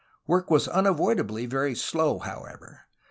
Work was una voidably very slow, however.